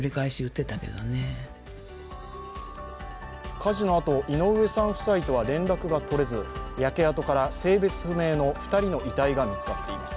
火事のあと、井上さん夫妻とは連絡が取れず焼け跡から性別不明の２人の遺体が見つかっています。